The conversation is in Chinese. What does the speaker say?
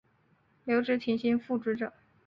留职停薪复职者